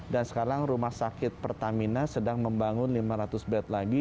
dan sekarang rumah sakit pertamina sedang membangun lima ratus bed lagi